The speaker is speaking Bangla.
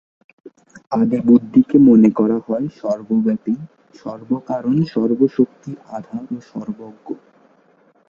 আদিবুদ্ধকে মনে করা হয় সর্বব্যাপী, সর্বকারণ, সর্বশক্তির আধার ও সর্বজ্ঞ।